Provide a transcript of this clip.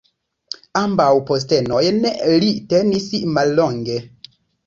Ambaŭ postenojn li tenis mallonge.